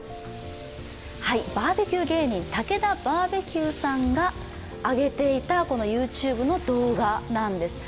バーベキュー芸人、たけだバーベキューさんが上げていたこのＹｏｕＴｕｂｅの動画なんです。